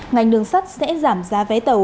ngành đường sắt sẽ giảm giá vé tàu